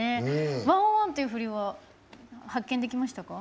「１０１」という振りは発見できましたか？